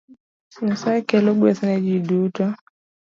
Nyasaye kelo gweth ne ji duto